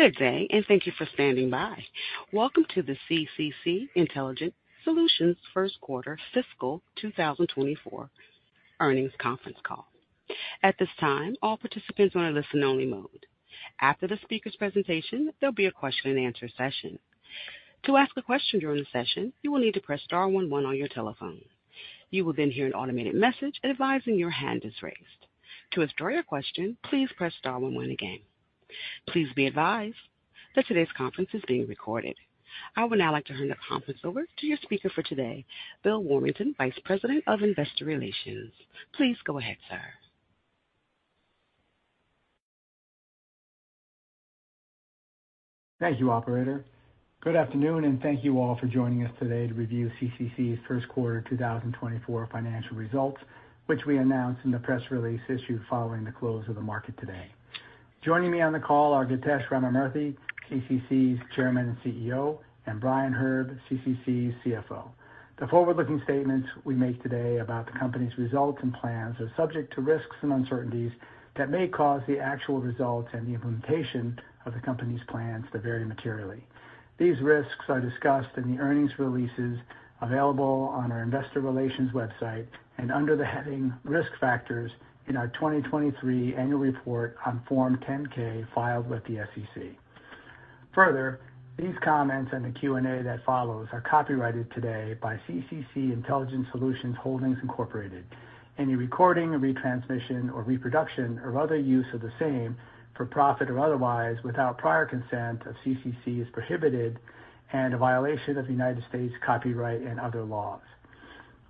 Good day, and thank you for standing by. Welcome to the CCC Intelligent Solutions First Quarter Fiscal 2024 Earnings Conference Call. At this time, all participants are in a listen-only mode. After the speaker's presentation, there'll be a question-and-answer session. To ask a question during the session, you will need to press star one one on your telephone. You will then hear an automated message advising your hand is raised. To withdraw your question, please press star one one again. Please be advised that today's conference is being recorded. I would now like to turn the conference over to your speaker for today, Bill Warmington, Vice President of Investor Relations. Please go ahead, sir. Thank you, operator. Good afternoon, and thank you all for joining us today to review CCC's First Quarter 2024 financial results, which we announced in the press release issued following the close of the market today. Joining me on the call are Githesh Ramamurthy, CCC's Chairman and CEO, and Brian Herb, CCC's CFO. The forward-looking statements we make today about the company's results and plans are subject to risks and uncertainties that may cause the actual results and the implementation of the company's plans to vary materially. These risks are discussed in the earnings releases available on our investor relations website and under the heading Risk Factors in our 2023 Annual Report on Form 10-K, filed with the SEC. Further, these comments and the Q&A that follows are copyrighted today by CCC Intelligent Solutions Holdings, Incorporated. Any recording, retransmission, or reproduction or other use of the same, for profit or otherwise, without prior consent of CCC is prohibited and a violation of the United States copyright and other laws.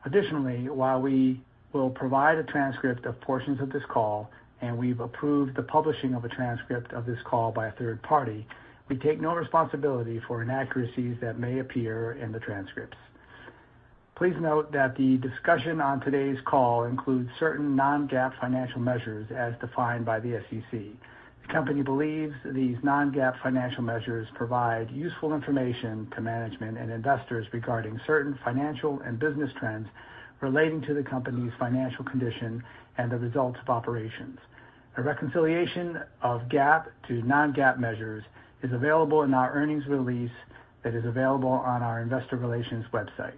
Additionally, while we will provide a transcript of portions of this call, and we've approved the publishing of a transcript of this call by a third party, we take no responsibility for inaccuracies that may appear in the transcripts. Please note that the discussion on today's call includes certain non-GAAP financial measures as defined by the SEC. The company believes these non-GAAP financial measures provide useful information to management and investors regarding certain financial and business trends relating to the company's financial condition and the results of operations. A reconciliation of GAAP to non-GAAP measures is available in our earnings release that is available on our investor relations website.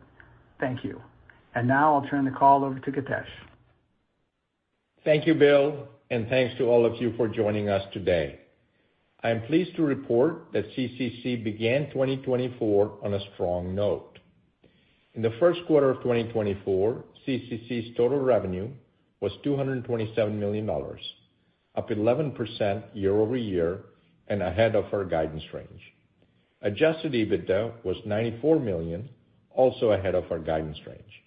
Thank you. Now I'll turn the call over to Githesh. Thank you, Bill, and thanks to all of you for joining us today. I am pleased to report that CCC began 2024 on a strong note. In the first quarter of 2024, CCC's total revenue was $227 million, up 11% year-over-year and ahead of our guidance range. Adjusted EBITDA was $94 million, also ahead of our guidance range,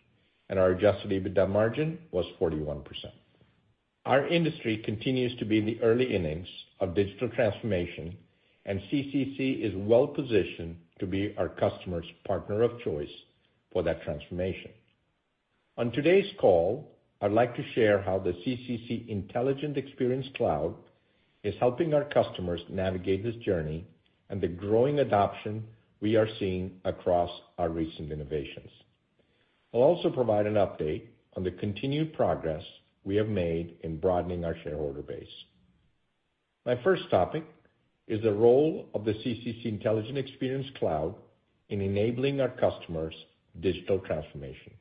and our adjusted EBITDA margin was 41%. Our industry continues to be in the early innings of digital transformation, and CCC is well positioned to be our customer's partner of choice for that transformation. On today's call, I'd like to share how the CCC Intelligent Experience Cloud is helping our customers navigate this journey and the growing adoption we are seeing across our recent innovations. I'll also provide an update on the continued progress we have made in broadening our shareholder base. My first topic is the role of the CCC Intelligent Experience Cloud in enabling our customers' digital transformation.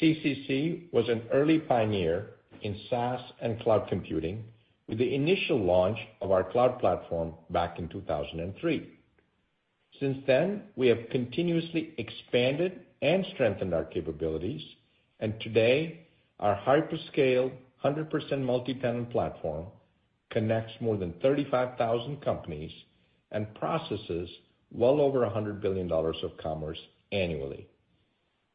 CCC was an early pioneer in SaaS and cloud computing with the initial launch of our cloud platform back in 2003. Since then, we have continuously expanded and strengthened our capabilities, and today, our hyperscale, 100% multi-tenant platform connects more than 35,000 companies and processes well over $100 billion of commerce annually.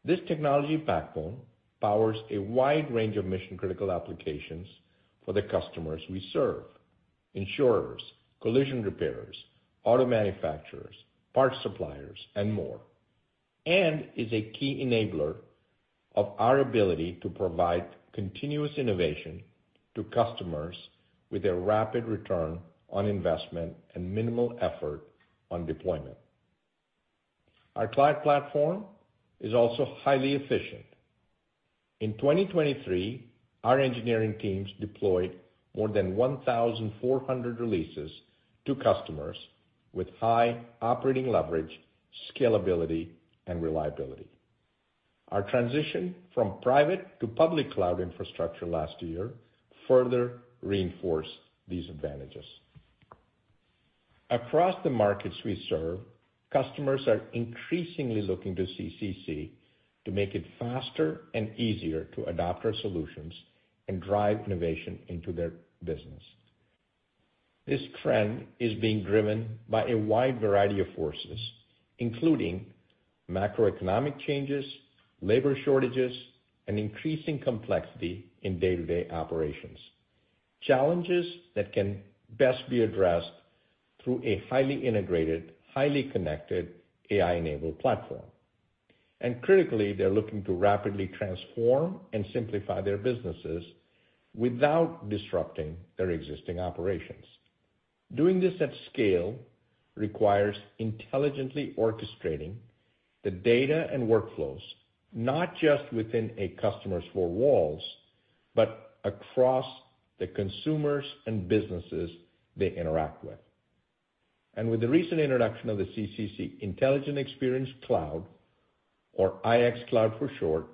This technology backbone powers a wide range of mission-critical applications for the customers we serve: insurers, collision repairers, auto manufacturers, parts suppliers, and more, and is a key enabler of our ability to provide continuous innovation to customers with a rapid return on investment and minimal effort on deployment. Our cloud platform is also highly efficient. In 2023, our engineering teams deployed more than 1,400 releases to customers with high operating leverage, scalability, and reliability. Our transition from private to public cloud infrastructure last year further reinforced these advantages. Across the markets we serve, customers are increasingly looking to CCC to make it faster and easier to adopt our solutions and drive innovation into their business. This trend is being driven by a wide variety of forces, including macroeconomic changes, labor shortages, and increasing complexity in day-to-day operations, challenges that can best be addressed through a highly integrated, highly connected, AI-enabled platform. Critically, they're looking to rapidly transform and simplify their businesses without disrupting their existing operations. Doing this at scale requires intelligently orchestrating the data and workflows, not just within a customer's four walls, but across the consumers and businesses they interact with. With the recent introduction of the CCC Intelligent Experience Cloud, or IX Cloud for short,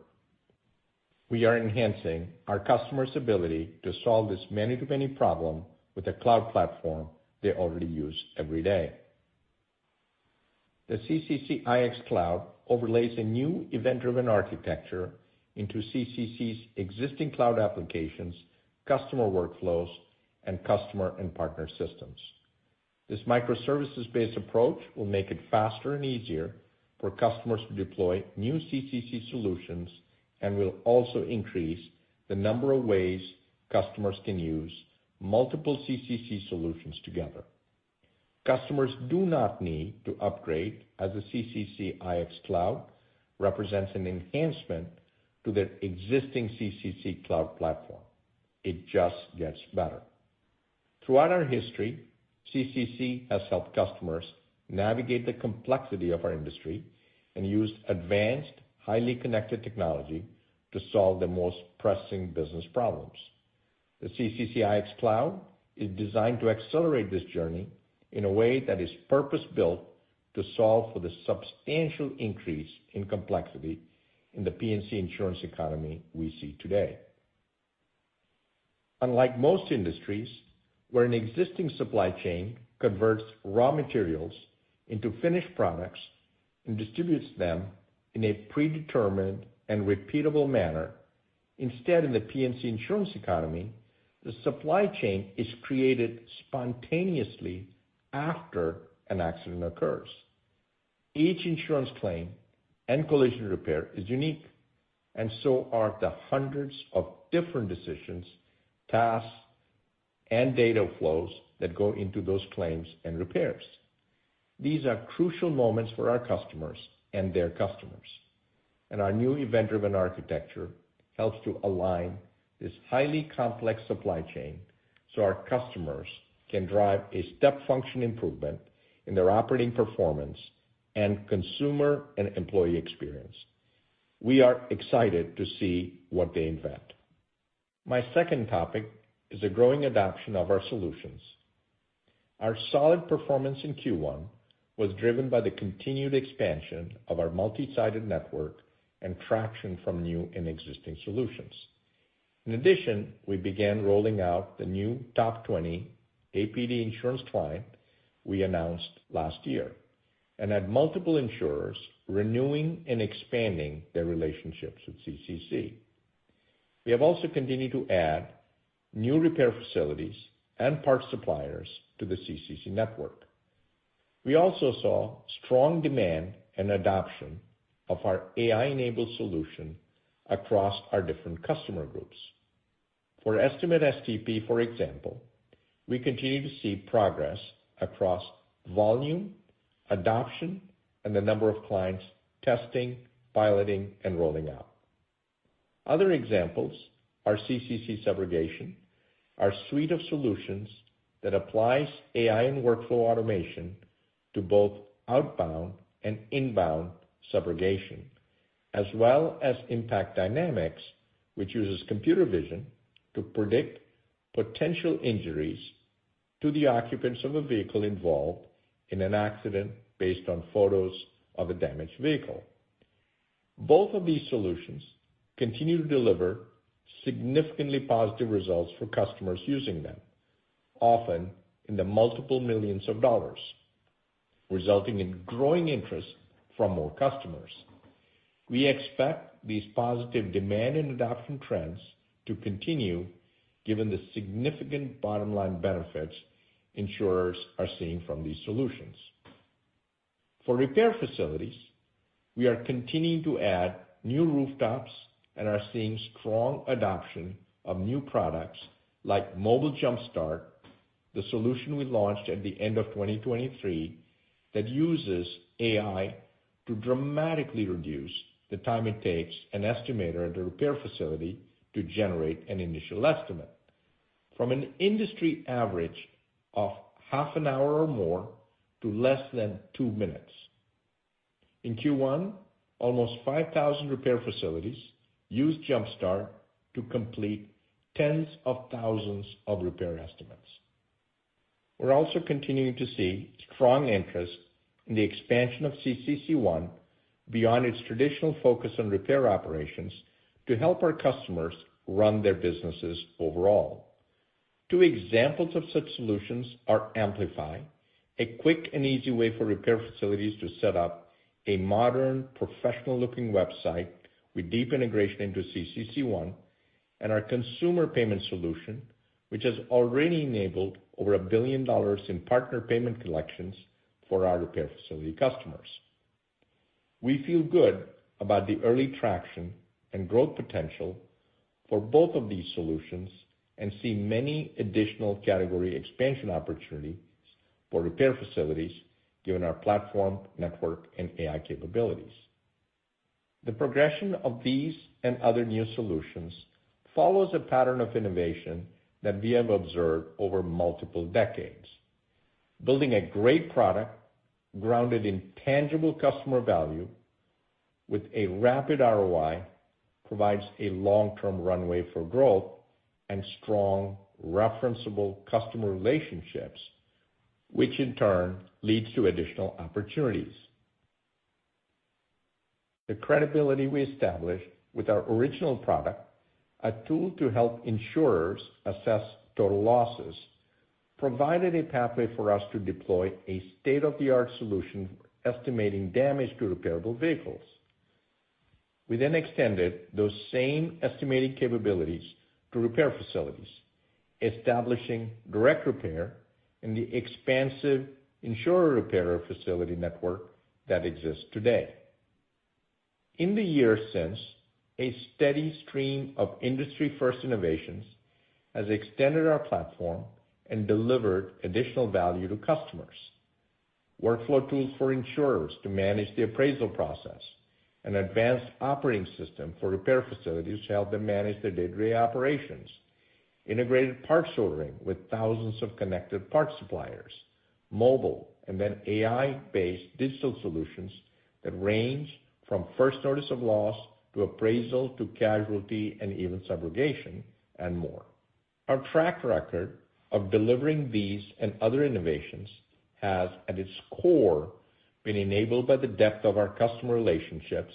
we are enhancing our customers' ability to solve this many-to-many problem with a cloud platform they already use every day. The CCC IX Cloud overlays a new event-driven architecture into CCC's existing cloud applications, customer workflows, and customer and partner systems. This microservices-based approach will make it faster and easier for customers to deploy new CCC solutions, and will also increase the number of ways customers can use multiple CCC solutions together. Customers do not need to upgrade, as the CCC IX Cloud represents an enhancement to their existing CCC cloud platform. It just gets better. Throughout our history, CCC has helped customers navigate the complexity of our industry and use advanced, highly connected technology to solve the most pressing business problems. The CCC IX Cloud is designed to accelerate this journey in a way that is purpose-built to solve for the substantial increase in complexity in the P&C insurance economy we see today. Unlike most industries, where an existing supply chain converts raw materials into finished products and distributes them in a predetermined and repeatable manner, instead, in the P&C insurance economy, the supply chain is created spontaneously after an accident occurs. Each insurance claim and collision repair is unique, and so are the hundreds of different decisions, tasks, and data flows that go into those claims and repairs. These are crucial moments for our customers and their customers, and our new event-driven architecture helps to align this highly complex supply chain so our customers can drive a step-function improvement in their operating performance and consumer and employee experience. We are excited to see what they invent. My second topic is the growing adoption of our solutions. Our solid performance in Q1 was driven by the continued expansion of our multi-sided network and traction from new and existing solutions. In addition, we began rolling out the new top 20 APD insurance client we announced last year, and had multiple insurers renewing and expanding their relationships with CCC. We have also continued to add new repair facilities and parts suppliers to the CCC network. We also saw strong demand and adoption of our AI-enabled solution across our different customer groups. For Estimate STP, for example, we continue to see progress across volume, adoption, and the number of clients testing, piloting, and rolling out. Other examples are CCC Subrogation, our suite of solutions that applies AI and workflow automation to both outbound and inbound subrogation, as well as Impact Dynamics, which uses computer vision to predict potential injuries to the occupants of a vehicle involved in an accident based on photos of a damaged vehicle. Both of these solutions continue to deliver significantly positive results for customers using them, often in the multiple millions of dollars, resulting in growing interest from more customers. We expect these positive demand and adoption trends to continue, given the significant bottom-line benefits insurers are seeing from these solutions. For repair facilities, we are continuing to add new rooftops and are seeing strong adoption of new products like Mobile Jumpstart, the solution we launched at the end of 2023, that uses AI to dramatically reduce the time it takes an estimator at a repair facility to generate an initial estimate, from an industry average of half an hour or more to less than two minutes. In Q1, almost 5,000 repair facilities used Jumpstart to complete tens of thousands of repair estimates. We're also continuing to see strong interest in the expansion of CCC ONE beyond its traditional focus on repair operations to help our customers run their businesses overall. Two examples of such solutions are Amplify, a quick and easy way for repair facilities to set up a modern, professional-looking website with deep integration into CCC ONE, and our consumer payment solution, which has already enabled over $1 billion in partner payment collections for our repair facility customers. We feel good about the early traction and growth potential for both of these solutions and see many additional category expansion opportunities for repair facilities given our platform, network, and AI capabilities.... The progression of these and other new solutions follows a pattern of innovation that we have observed over multiple decades. Building a great product, grounded in tangible customer value with a rapid ROI, provides a long-term runway for growth and strong referenceable customer relationships, which in turn leads to additional opportunities. The credibility we established with our original product, a tool to help insurers assess total losses, provided a pathway for us to deploy a state-of-the-art solution estimating damage to repairable vehicles. We then extended those same estimating capabilities to repair facilities, establishing direct repair in the expansive insurer repair facility network that exists today. In the years since, a steady stream of industry-first innovations has extended our platform and delivered additional value to customers. Workflow tools for insurers to manage the appraisal process, an advanced operating system for repair facilities to help them manage their day-to-day operations, integrated parts ordering with thousands of connected parts suppliers, mobile, and then AI-based digital solutions that range from first notice of loss, to appraisal, to casualty, and even subrogation, and more. Our track record of delivering these and other innovations has, at its core, been enabled by the depth of our customer relationships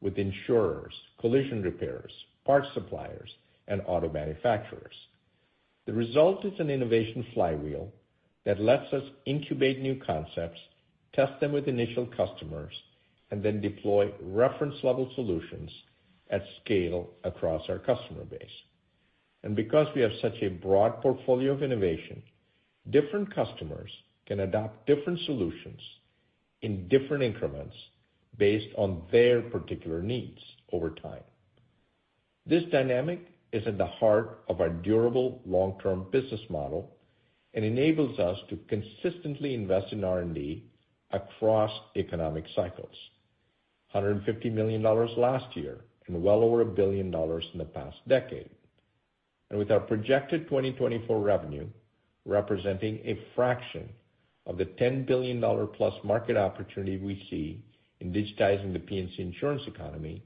with insurers, collision repairers, parts suppliers, and auto manufacturers. The result is an innovation flywheel that lets us incubate new concepts, test them with initial customers, and then deploy reference-level solutions at scale across our customer base. And because we have such a broad portfolio of innovation, different customers can adopt different solutions in different increments based on their particular needs over time. This dynamic is at the heart of our durable long-term business model and enables us to consistently invest in R&D across economic cycles. $150 million last year, and well over $1 billion in the past decade. With our projected 2024 revenue representing a fraction of the $10 billion+ market opportunity we see in digitizing the P&C Insurance Economy,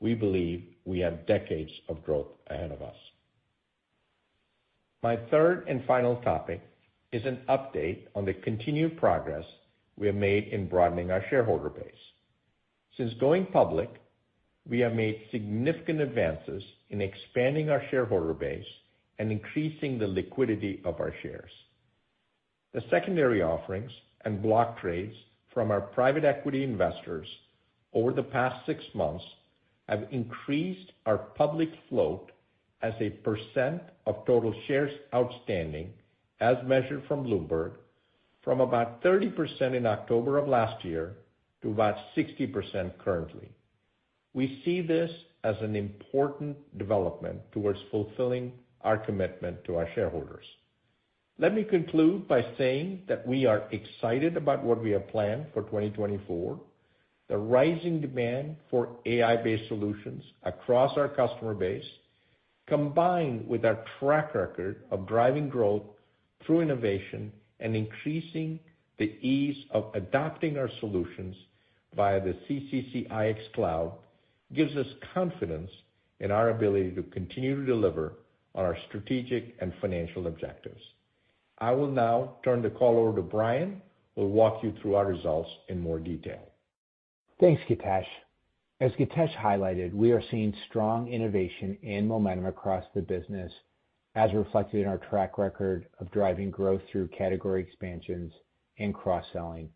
we believe we have decades of growth ahead of us. My third and final topic is an update on the continued progress we have made in broadening our shareholder base. Since going public, we have made significant advances in expanding our shareholder base and increasing the liquidity of our shares. The secondary offerings and block trades from our private equity investors over the past 6 months have increased our public float as a percent of total shares outstanding, as measured from Bloomberg, from about 30% in October of last year to about 60% currently. We see this as an important development towards fulfilling our commitment to our shareholders. Let me conclude by saying that we are excited about what we have planned for 2024. The rising demand for AI-based solutions across our customer base, combined with our track record of driving growth through innovation and increasing the ease of adopting our solutions via the CCC IX Cloud, gives us confidence in our ability to continue to deliver on our strategic and financial objectives. I will now turn the call over to Brian, who will walk you through our results in more detail. Thanks, Githesh. As Githesh highlighted, we are seeing strong innovation and momentum across the business, as reflected in our track record of driving growth through category expansions and cross-selling.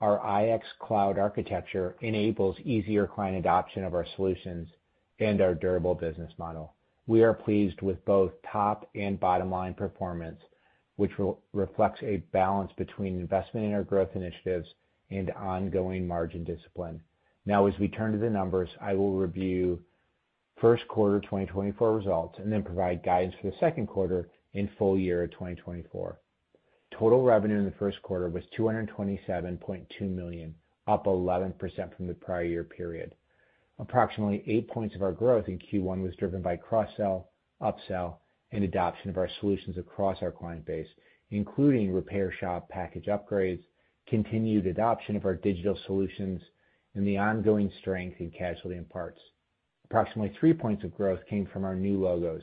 Our IX Cloud architecture enables easier client adoption of our solutions and our durable business model. We are pleased with both top and bottom line performance, which reflects a balance between investment in our growth initiatives and ongoing margin discipline. Now, as we turn to the numbers, I will review first quarter 2024 results, and then provide guidance for the second quarter and full year 2024. Total revenue in the first quarter was $227.2 million, up 11% from the prior year period. Approximately 8 points of our growth in Q1 was driven by cross-sell, upsell, and adoption of our solutions across our client base, including repair shop package upgrades, continued adoption of our digital solutions, and the ongoing strength in casualty and parts. Approximately 3 points of growth came from our new logos,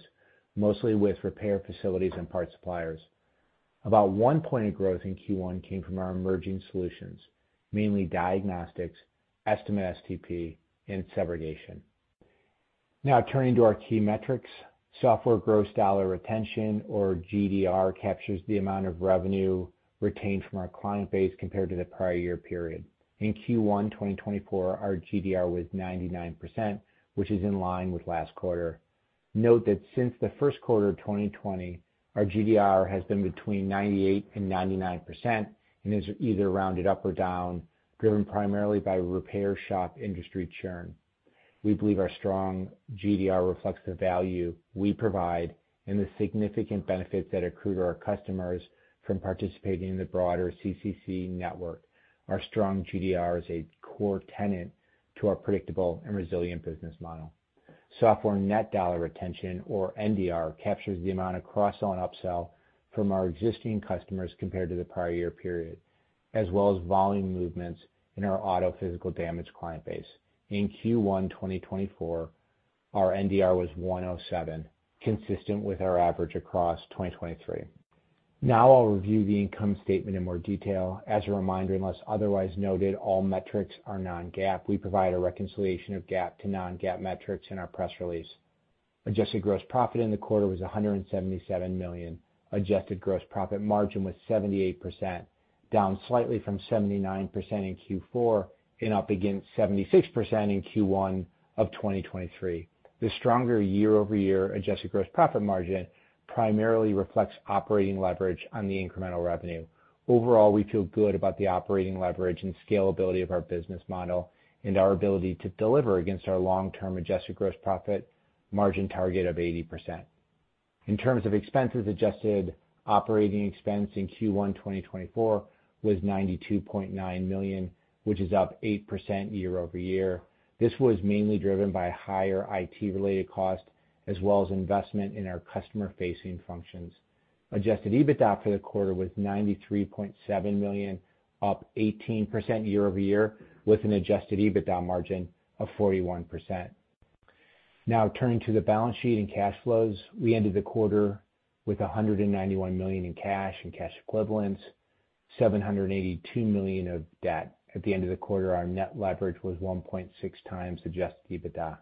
mostly with repair facilities and parts suppliers. About 1 point of growth in Q1 came from our emerging solutions, mainly diagnostics, Estimate STP, and subrogation. Now, turning to our key metrics. Software gross dollar retention, or GDR, captures the amount of revenue retained from our client base compared to the prior year period. In Q1, 2024, our GDR was 99%, which is in line with last quarter. Note that since the first quarter of 2020, our GDR has been between 98%-99% and is either rounded up or down, driven primarily by repair shop industry churn. We believe our strong GDR reflects the value we provide and the significant benefits that accrue to our customers from participating in the broader CCC network. Our strong GDR is a core tenet to our predictable and resilient business model. Software net dollar retention, or NDR, captures the amount of cross-sell and upsell from our existing customers compared to the prior year period, as well as volume movements in our auto physical damage client base. In Q1 2024, our NDR was 107, consistent with our average across 2023. Now I'll review the income statement in more detail. As a reminder, unless otherwise noted, all metrics are non-GAAP. We provide a reconciliation of GAAP to non-GAAP metrics in our press release. Adjusted gross profit in the quarter was $177 million. Adjusted gross profit margin was 78%, down slightly from 79% in Q4 and up against 76% in Q1 of 2023. The stronger year-over-year adjusted gross profit margin primarily reflects operating leverage on the incremental revenue. Overall, we feel good about the operating leverage and scalability of our business model and our ability to deliver against our long-term adjusted gross profit margin target of 80%. In terms of expenses, adjusted operating expense in Q1 2024 was $92.9 million, which is up 8% year-over-year. This was mainly driven by higher IT-related costs, as well as investment in our customer-facing functions. Adjusted EBITDA for the quarter was $93.7 million, up 18% year-over-year, with an adjusted EBITDA margin of 41%. Now, turning to the balance sheet and cash flows. We ended the quarter with $191 million in cash and cash equivalents, $782 million of debt. At the end of the quarter, our net leverage was 1.6 times adjusted EBITDA.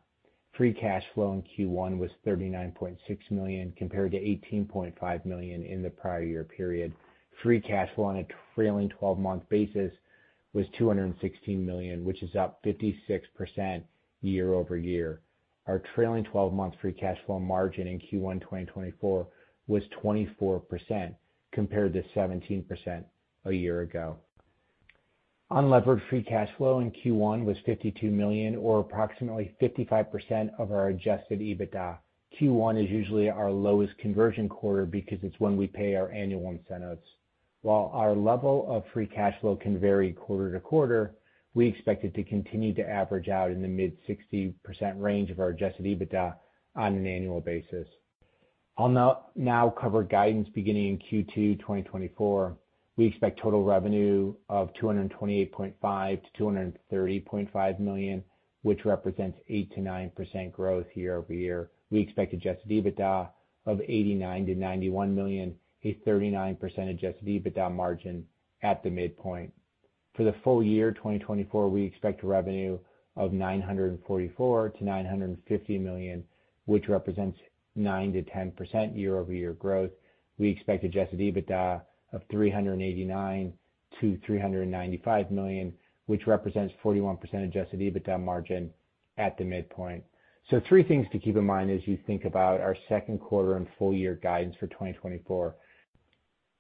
Free cash flow in Q1 was $39.6 million, compared to $18.5 million in the prior year period. Free cash flow on a trailing twelve-month basis was $216 million, which is up 56% year-over-year. Our trailing twelve-month free cash flow margin in Q1 2024 was 24%, compared to 17% a year ago. Unlevered free cash flow in Q1 was $52 million, or approximately 55% of our adjusted EBITDA. Q1 is usually our lowest conversion quarter because it's when we pay our annual incentives. While our level of free cash flow can vary quarter to quarter, we expect it to continue to average out in the mid-60% range of our adjusted EBITDA on an annual basis. I'll now cover guidance beginning in Q2 2024. We expect total revenue of $228.5 million-$230.5 million, which represents 8%-9% growth year-over-year. We expect adjusted EBITDA of $89 million-$91 million, a 39% adjusted EBITDA margin at the midpoint. For the full year 2024, we expect revenue of $944 million-$950 million, which represents 9%-10% year-over-year growth. We expect Adjusted EBITDA of $389 million-$395 million, which represents 41% Adjusted EBITDA margin at the midpoint. So three things to keep in mind as you think about our second quarter and full year guidance for 2024.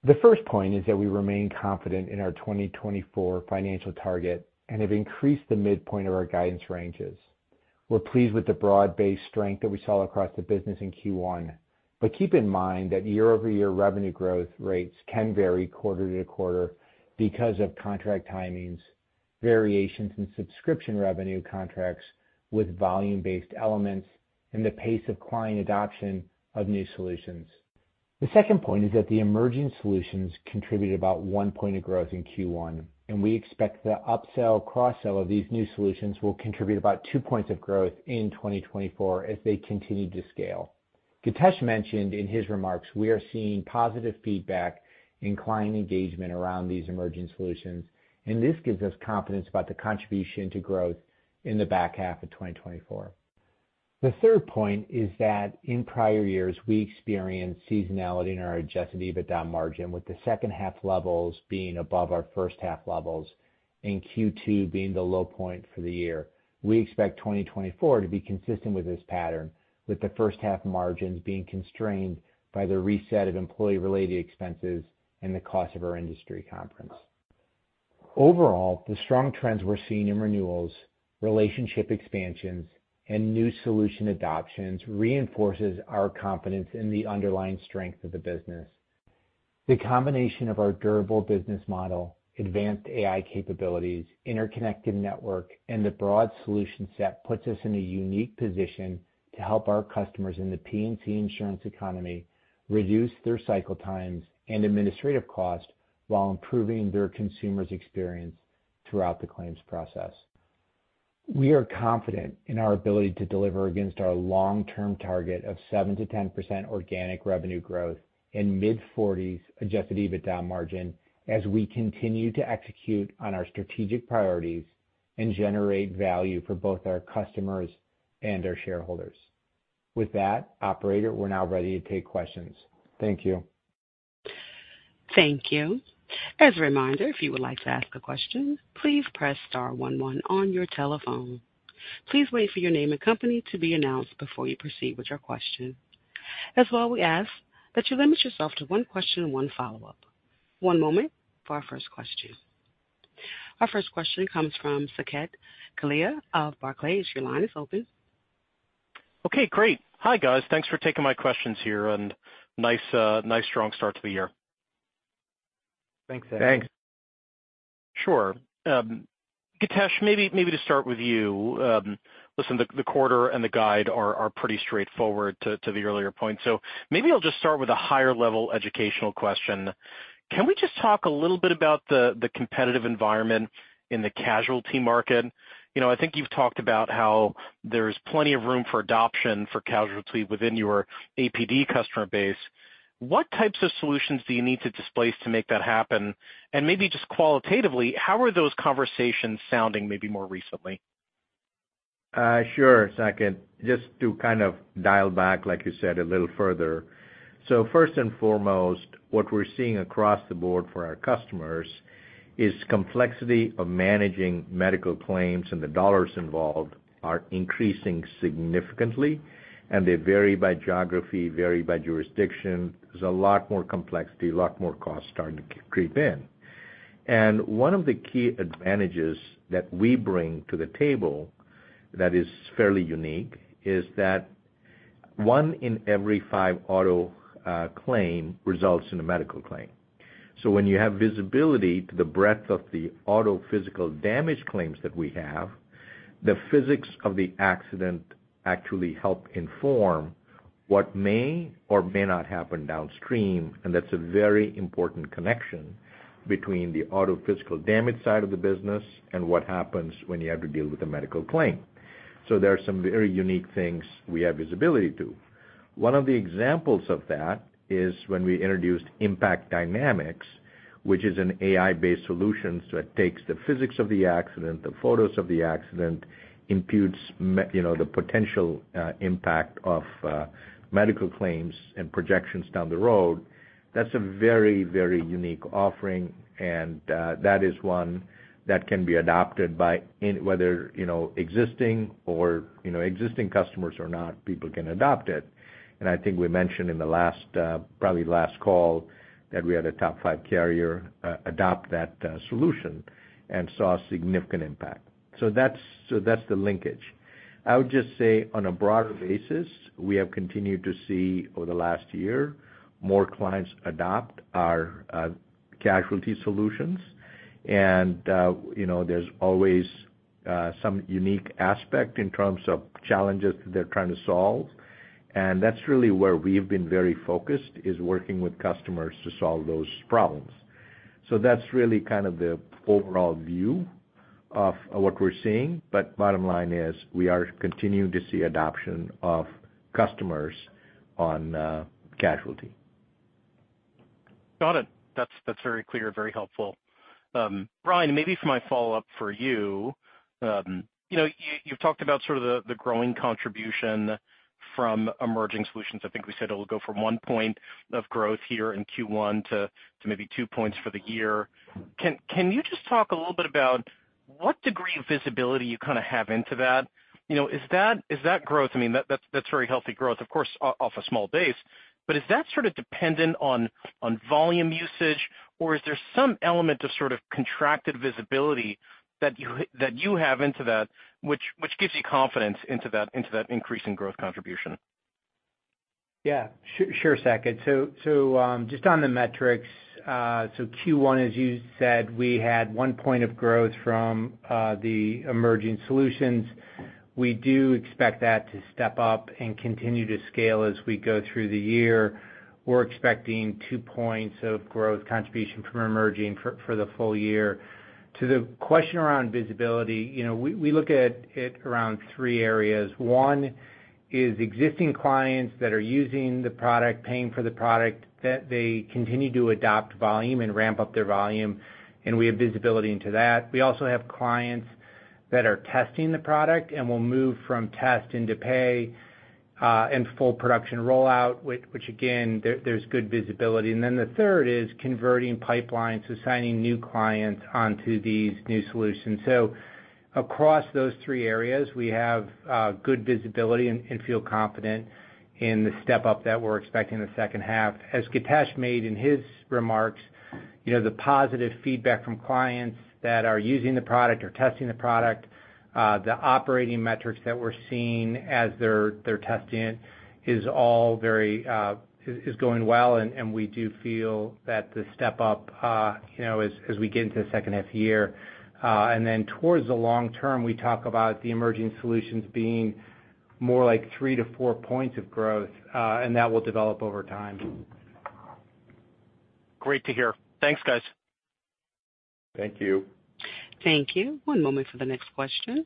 The first point is that we remain confident in our 2024 financial target and have increased the midpoint of our guidance ranges. We're pleased with the broad-based strength that we saw across the business in Q1, but keep in mind that year-over-year revenue growth rates can vary quarter to quarter because of contract timings, variations in subscription revenue contracts with volume-based elements, and the pace of client adoption of new solutions. The second point is that the emerging solutions contributed about 1 point of growth in Q1, and we expect the upsell, cross-sell of these new solutions will contribute about 2 points of growth in 2024 as they continue to scale. Githesh mentioned in his remarks, we are seeing positive feedback in client engagement around these emerging solutions, and this gives us confidence about the contribution to growth in the back half of 2024. The third point is that in prior years, we experienced seasonality in our Adjusted EBITDA margin, with the second half levels being above our first half levels, and Q2 being the low point for the year. We expect 2024 to be consistent with this pattern, with the first half margins being constrained by the reset of employee-related expenses and the cost of our industry conference. Overall, the strong trends we're seeing in renewals, relationship expansions, and new solution adoptions reinforces our confidence in the underlying strength of the business. The combination of our durable business model, advanced AI capabilities, interconnected network, and the broad solution set puts us in a unique position to help our customers in the P&C insurance economy reduce their cycle times and administrative costs while improving their consumers' experience throughout the claims process. We are confident in our ability to deliver against our long-term target of 7%-10% organic revenue growth and mid-40s Adjusted EBITDA margin as we continue to execute on our strategic priorities and generate value for both our customers and our shareholders. With that, operator, we're now ready to take questions. Thank you. Thank you. As a reminder, if you would like to ask a question, please press star one one on your telephone. Please wait for your name and company to be announced before you proceed with your question. As well, we ask that you limit yourself to one question and one follow-up. One moment for our first question. Our first question comes from Saket Kalia of Barclays. Your line is open. Okay, great. Hi, guys. Thanks for taking my questions here, and nice, nice, strong start to the year.... Thanks. Thanks. Sure. Githesh, maybe to start with you. Listen, the quarter and the guide are pretty straightforward to the earlier point. So maybe I'll just start with a higher level educational question. Can we just talk a little bit about the competitive environment in the casualty market? You know, I think you've talked about how there's plenty of room for adoption for casualty within your APD customer base. What types of solutions do you need to displace to make that happen? And maybe just qualitatively, how are those conversations sounding maybe more recently? Sure, Saket. Just to kind of dial back, like you said, a little further. So first and foremost, what we're seeing across the board for our customers is complexity of managing medical claims, and the dollars involved are increasing significantly, and they vary by geography, vary by jurisdiction. There's a lot more complexity, a lot more costs starting to creep in. And one of the key advantages that we bring to the table that is fairly unique is that one in every five auto claim results in a medical claim. So when you have visibility to the breadth of the auto physical damage claims that we have, the physics of the accident actually help inform what may or may not happen downstream, and that's a very important connection between the auto physical damage side of the business and what happens when you have to deal with a medical claim. So there are some very unique things we have visibility to. One of the examples of that is when we introduced Impact Dynamics, which is an AI-based solution, so it takes the physics of the accident, the photos of the accident, imputes, you know, the potential, impact of, medical claims and projections down the road. That's a very, very unique offering, and, that is one that can be adopted by any- whether, you know, existing or, you know, existing customers or not, people can adopt it. And I think we mentioned in the last, probably last call, that we had a top five carrier, adopt that, solution and saw significant impact. So that's, so that's the linkage. I would just say, on a broader basis, we have continued to see over the last year, more clients adopt our, casualty solutions. And, you know, there's always, some unique aspect in terms of challenges that they're trying to solve, and that's really where we've been very focused, is working with customers to solve those problems. So that's really kind of the overall view of what we're seeing, but bottom line is, we are continuing to see adoption of customers on, casualty. Got it. That's very clear, very helpful. Brian, maybe for my follow-up for you. You know, you've talked about sort of the growing contribution from emerging solutions. I think we said it will go from 1 point of growth here in Q1 to maybe 2 points for the year. Can you just talk a little bit about what degree of visibility you kind of have into that? You know, is that growth? I mean, that's very healthy growth, of course, off a small base. But is that sort of dependent on volume usage, or is there some element of sort of contracted visibility that you have into that, which gives you confidence into that increase in growth contribution? Yeah, sure, Saket. So, just on the metrics, so Q1, as you said, we had 1 point of growth from the emerging solutions. We do expect that to step up and continue to scale as we go through the year. We're expecting 2 points of growth contribution from emerging for the full year. To the question around visibility, you know, we look at it around three areas. One is existing clients that are using the product, paying for the product, that they continue to adopt volume and ramp up their volume, and we have visibility into that. We also have clients that are testing the product and will move from test into pay, and full production rollout, which again, there's good visibility. And then the third is converting pipelines, so signing new clients onto these new solutions. So across those three areas, we have good visibility and feel confident in the step up that we're expecting in the second half. As Githesh made in his remarks, you know, the positive feedback from clients that are using the product or testing the product, the operating metrics that we're seeing as they're testing it, is all very going well, and we do feel that the step up, you know, as we get into the second half year. Then towards the long term, we talk about the emerging solutions being more like 3-4 points of growth, and that will develop over time. Great to hear. Thanks, guys. Thank you. Thank you. One moment for the next question.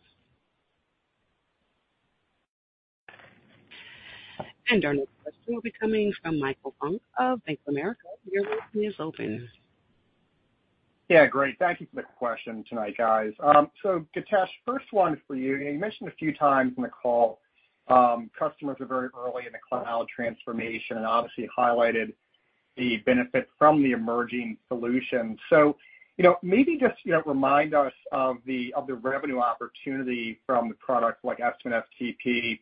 Our next question will be coming from Michael Funk of Bank of America. Your line is open. Yeah, great. Thank you for the question tonight, guys. So, Githesh, first one for you. You mentioned a few times in the call, customers are very early in the cloud transformation and obviously highlighted the benefit from the emerging solutions. So, you know, maybe just, you know, remind us of the, of the revenue opportunity from the products like FNOL STP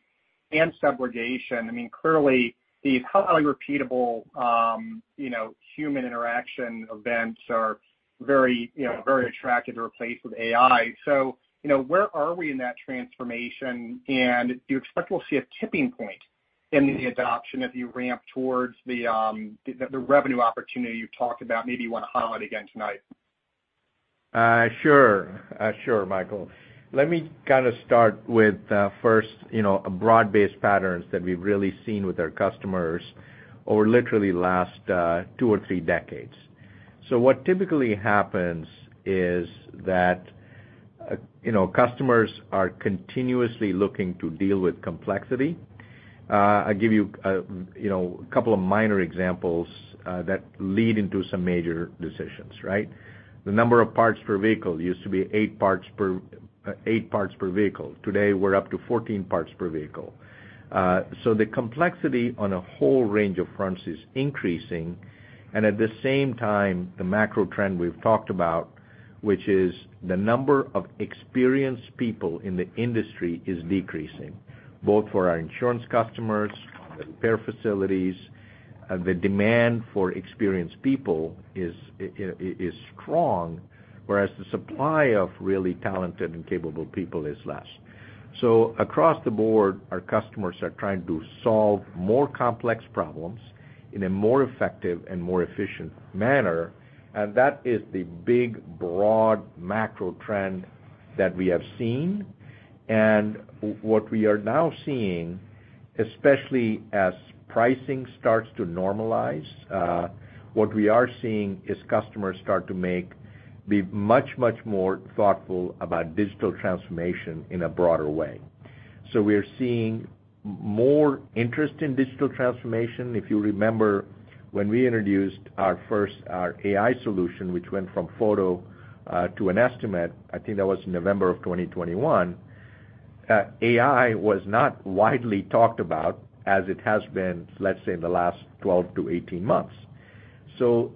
and subrogation. I mean, clearly, these highly repeatable, you know, human interaction events are-... very, you know, very attractive to replace with AI. So, you know, where are we in that transformation? And do you expect we'll see a tipping point in the adoption as you ramp towards the revenue opportunity you talked about? Maybe you wanna highlight again tonight. Sure. Sure, Michael. Let me kind of start with first, you know, broad-based patterns that we've really seen with our customers over literally last 2 or 3 decades. So what typically happens is that you know, customers are continuously looking to deal with complexity. I'll give you you know, a couple of minor examples that lead into some major decisions, right? The number of parts per vehicle used to be 8 parts per vehicle. Today, we're up to 14 parts per vehicle. So the complexity on a whole range of fronts is increasing, and at the same time, the macro trend we've talked about, which is the number of experienced people in the industry, is decreasing, both for our insurance customers, the repair facilities. The demand for experienced people is strong, whereas the supply of really talented and capable people is less. So across the board, our customers are trying to solve more complex problems in a more effective and more efficient manner, and that is the big, broad macro trend that we have seen. And what we are now seeing, especially as pricing starts to normalize, what we are seeing is customers start to be much, much more thoughtful about digital transformation in a broader way. So we're seeing more interest in digital transformation. If you remember, when we introduced our first AI solution, which went from photo to an estimate, I think that was in November 2021, AI was not widely talked about as it has been, let's say, in the last 12-18 months. So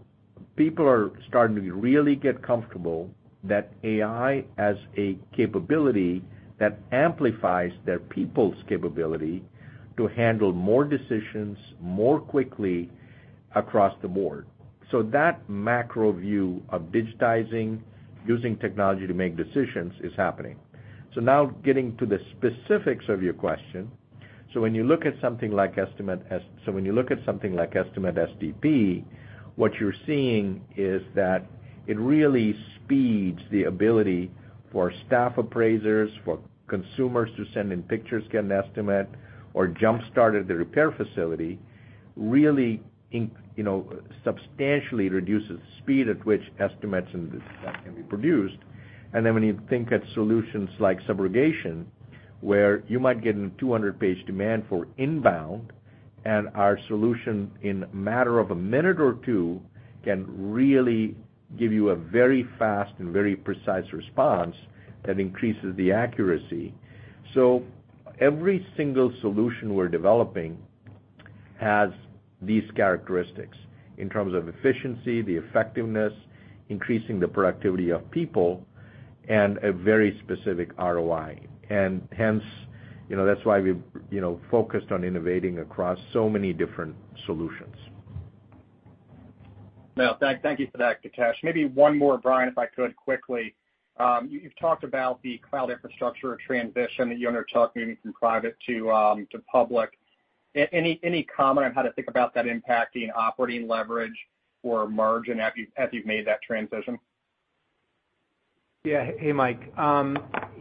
people are starting to really get comfortable that AI as a capability that amplifies their people's capability to handle more decisions more quickly across the board. So that macro view of digitizing, using technology to make decisions, is happening. So now getting to the specifics of your question. So when you look at something like Estimate STP, what you're seeing is that it really speeds the ability for staff appraisers, for consumers to send in pictures, get an estimate, or Jumpstart at the repair facility, really, you know, substantially reduces the speed at which estimates and this can be produced. And then when you think at solutions like subrogation, where you might get a 200-page demand for inbound, and our solution, in a matter of a minute or two, can really give you a very fast and very precise response that increases the accuracy. So every single solution we're developing has these characteristics in terms of efficiency, the effectiveness, increasing the productivity of people, and a very specific ROI. And hence, you know, that's why we've, you know, focused on innovating across so many different solutions. Now, thank you for that, Githesh. Maybe one more, Brian, if I could, quickly. You've talked about the cloud infrastructure transition that you undertook, moving from private to public. Any comment on how to think about that impacting operating leverage or margin as you've made that transition? Yeah. Hey, Mike.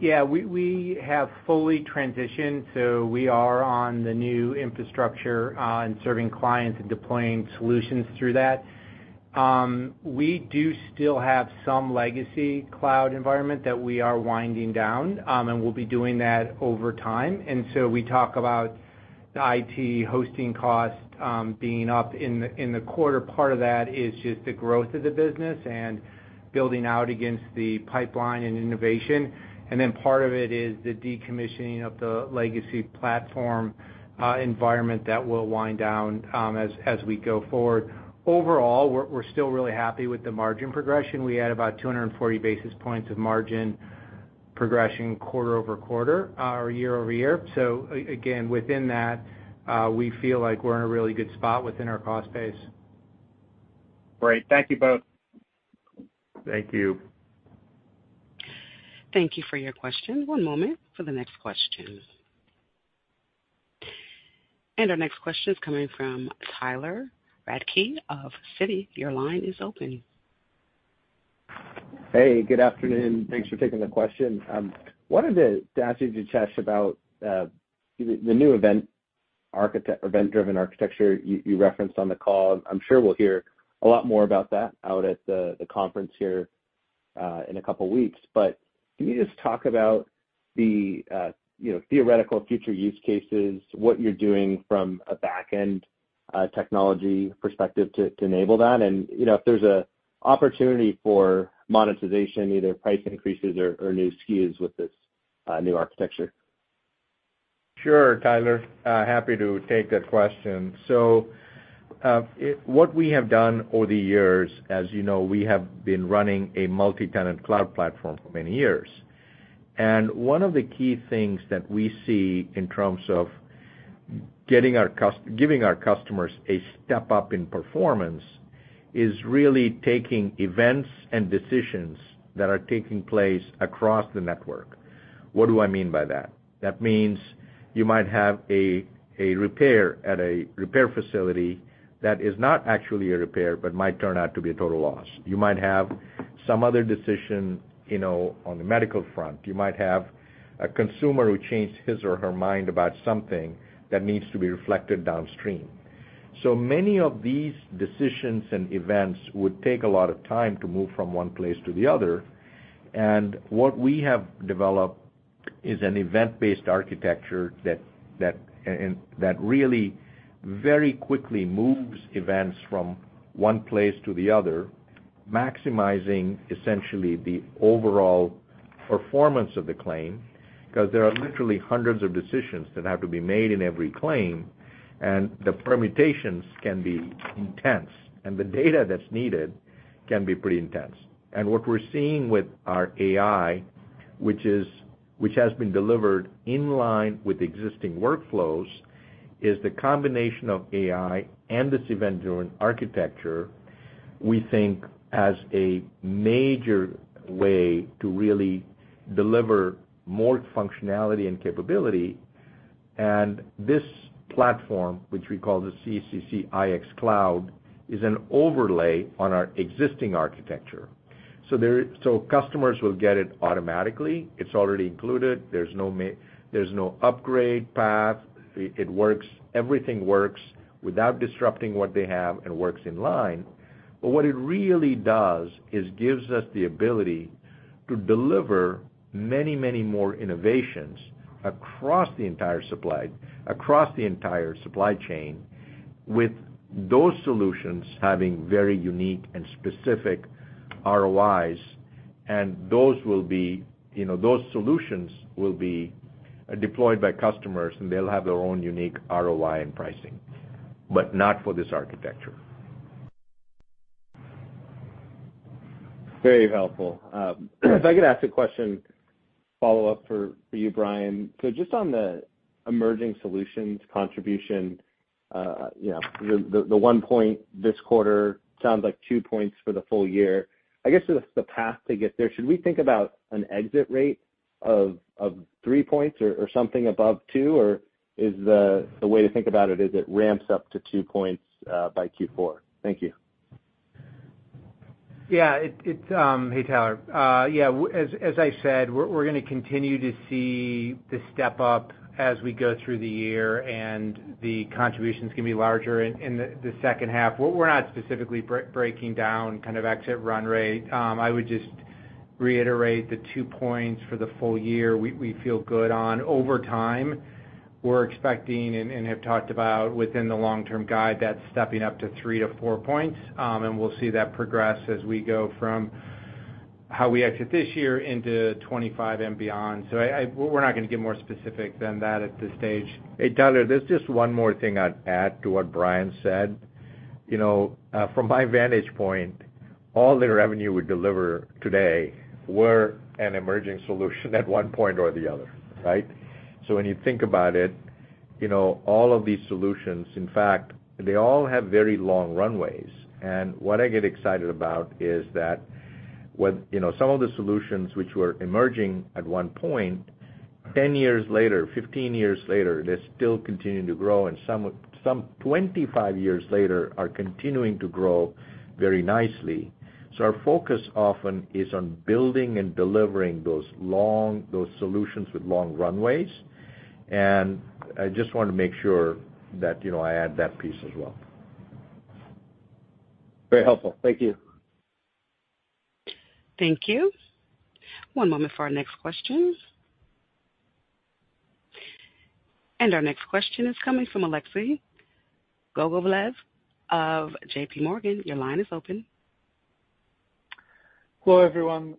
Yeah, we have fully transitioned, so we are on the new infrastructure, and serving clients and deploying solutions through that. We do still have some legacy cloud environment that we are winding down, and we'll be doing that over time. And so we talk about the IT hosting cost, being up in the, in the quarter. Part of that is just the growth of the business and building out against the pipeline and innovation. And then part of it is the decommissioning of the legacy platform, environment that will wind down, as we go forward. Overall, we're still really happy with the margin progression. We had about 240 basis points of margin progression quarter-over-quarter, or year-over-year. Again, within that, we feel like we're in a really good spot within our cost base. Great. Thank you both. Thank you. Thank you for your question. One moment for the next question. Our next question is coming from Tyler Radke of Citi. Your line is open. Hey, good afternoon. Thanks for taking the question. Wanted to ask you, Githesh, about the new event-driven architecture you referenced on the call. I'm sure we'll hear a lot more about that out at the conference here in a couple weeks. But can you just talk about the you know, theoretical future use cases, what you're doing from a back-end technology perspective to enable that? And, you know, if there's a opportunity for monetization, either price increases or new SKUs with this new architecture. Sure, Tyler. Happy to take that question. So, what we have done over the years, as you know, we have been running a multi-tenant cloud platform for many years. And one of the key things that we see in terms of getting our customers a step up in performance is really taking events and decisions that are taking place across the network. What do I mean by that? That means you might have a repair at a repair facility that is not actually a repair, but might turn out to be a total loss. You might have some other decision, you know, on the medical front. You might have a consumer who changed his or her mind about something that needs to be reflected downstream. So many of these decisions and events would take a lot of time to move from one place to the other, and what we have developed is an event-based architecture that really very quickly moves events from one place to the other, maximizing essentially the overall performance of the claim. Because there are literally hundreds of decisions that have to be made in every claim, and the permutations can be intense, and the data that's needed can be pretty intense. And what we're seeing with our AI, which has been delivered in line with existing workflows, is the combination of AI and this event-driven architecture, we think, as a major way to really deliver more functionality and capability. And this platform, which we call the CCC IX Cloud, is an overlay on our existing architecture. So customers will get it automatically. It's already included. There's no upgrade path. It works. Everything works without disrupting what they have and works in line. But what it really does is gives us the ability to deliver many, many more innovations across the entire supply, across the entire supply chain, with those solutions having very unique and specific ROIs. And those will be, you know, those solutions will be deployed by customers, and they'll have their own unique ROI and pricing, but not for this architecture. Very helpful. If I could ask a question, follow up for you, Brian. So just on the emerging solutions contribution, you know, the 1 point this quarter sounds like 2 points for the full year. I guess, just the path to get there, should we think about an exit rate of 3 points or something above 2? Or is the way to think about it, is it ramps up to 2 points by Q4? Thank you. Yeah... Hey, Tyler. Yeah, as I said, we're gonna continue to see the step up as we go through the year, and the contributions can be larger in the second half. We're not specifically breaking down kind of exit run rate. I would just reiterate the 2 points for the full year we feel good on. Over time, we're expecting and have talked about within the long-term guide, that's stepping up to 3-4 points. And we'll see that progress as we go from how we exit this year into 2025 and beyond. So we're not gonna get more specific than that at this stage. Hey, Tyler, there's just one more thing I'd add to what Brian said. You know, from my vantage point, all the revenue we deliver today were an emerging solution at one point or the other, right? So when you think about it, you know, all of these solutions, in fact, they all have very long runways. And what I get excited about is that what, you know, some of the solutions which were emerging at one point, 10 years later, 15 years later, they're still continuing to grow, and some, some 25 years later, are continuing to grow very nicely. So our focus often is on building and delivering those long- those solutions with long runways. And I just want to make sure that, you know, I add that piece as well. Very helpful. Thank you. Thank you. One moment for our next question. Our next question is coming from Alexei Gogolev of J.P. Morgan. Your line is open. Hello, everyone,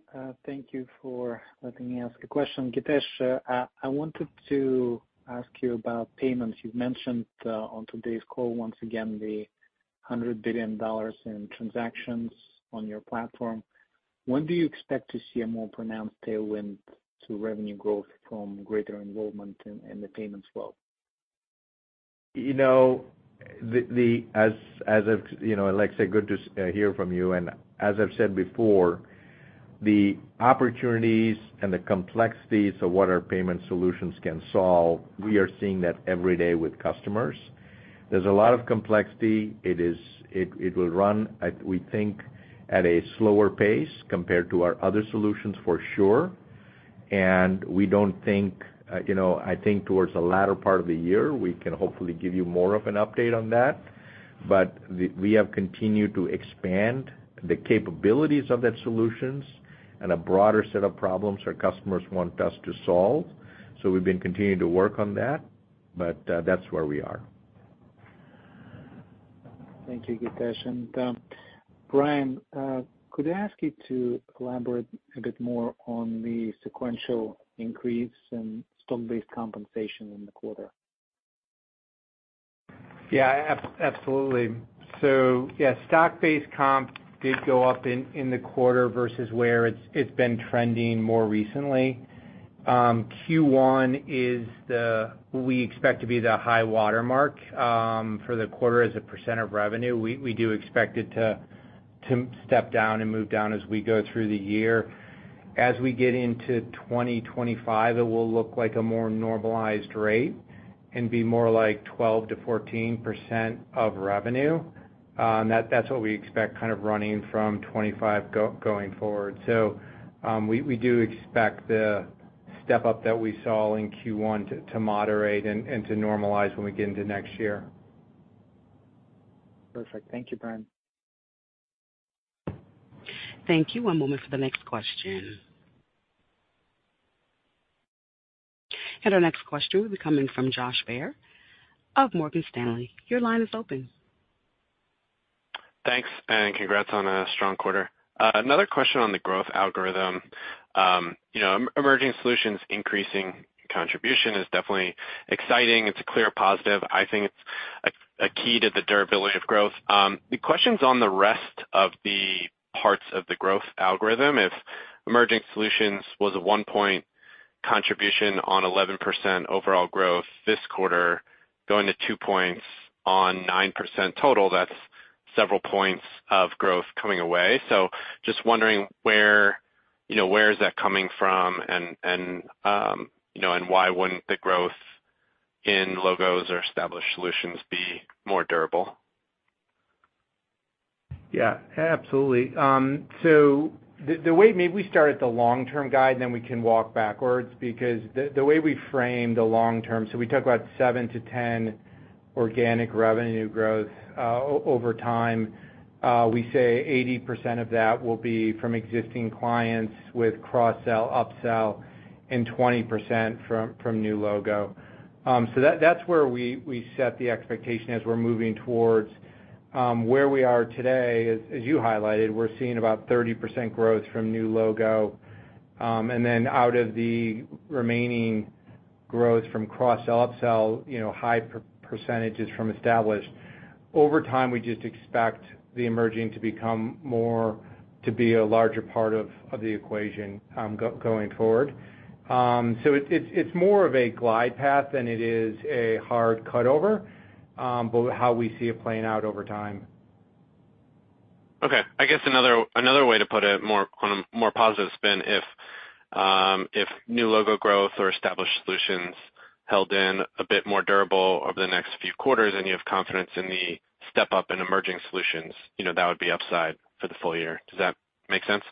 thank you for letting me ask a question. Githesh, I, I wanted to ask you about payments. You've mentioned, on today's call, once again, the $100 billion in transactions on your platform. When do you expect to see a more pronounced tailwind to revenue growth from greater involvement in the payments flow? You know, as I've, you know, Alexei, good to hear from you, and as I've said before, the opportunities and the complexities of what our payment solutions can solve, we are seeing that every day with customers. There's a lot of complexity. It will run, we think, at a slower pace compared to our other solutions, for sure. And we don't think, you know, I think towards the latter part of the year, we can hopefully give you more of an update on that. But we have continued to expand the capabilities of that solutions and a broader set of problems our customers want us to solve. So we've been continuing to work on that, but that's where we are. Thank you, Githesh. Brian, could I ask you to elaborate a bit more on the sequential increase in stock-based compensation in the quarter?... Yeah, absolutely. So yeah, stock-based comp did go up in the quarter versus where it's been trending more recently. Q1 is the high water mark we expect to be for the quarter as a % of revenue. We do expect it to step down and move down as we go through the year. As we get into 2025, it will look like a more normalized rate and be more like 12%-14% of revenue. And that's what we expect kind of running from 2025 going forward. So, we do expect the step up that we saw in Q1 to moderate and to normalize when we get into next year. Perfect. Thank you, Brian. Thank you. One moment for the next question. Our next question will be coming from Josh Baer of Morgan Stanley. Your line is open. Thanks, and congrats on a strong quarter. Another question on the growth algorithm. You know, emerging solutions, increasing contribution is definitely exciting. It's a clear positive. I think it's a key to the durability of growth. The question's on the rest of the parts of the growth algorithm. If emerging solutions was a 1 point contribution on 11% overall growth this quarter, going to 2 points on 9% total, that's several points of growth coming away. So just wondering where, you know, where is that coming from? And, you know, and why wouldn't the growth in logos or established solutions be more durable? Yeah, absolutely. So the way... Maybe we start at the long-term guide, and then we can walk backwards, because the way we frame the long term, so we talk about 7-10 organic revenue growth over time. We say 80% of that will be from existing clients with cross sell, upsell, and 20% from new logo. So that's where we set the expectation as we're moving towards where we are today. As you highlighted, we're seeing about 30% growth from new logo. And then out of the remaining growth from cross sell, upsell, you know, high percentages from established. Over time, we just expect the emerging to become more, to be a larger part of the equation going forward. So it's more of a glide path than it is a hard cut over, but how we see it playing out over time. Okay. I guess another way to put it, more on a more positive spin, if new logo growth or established solutions held in a bit more durable over the next few quarters, and you have confidence in the step up in emerging solutions, you know, that would be upside for the full year. Does that make sense?